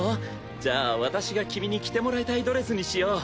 じゃあ私が君に着てもらいたいドレスにしよう。